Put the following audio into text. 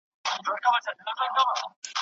فساد ټولنه په شا وړي.